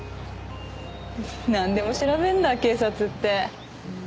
なんでも調べるんだ警察って。